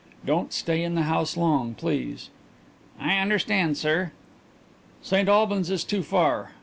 Don't stay in the house long, please." "I understand, sir." "St Albans is too far.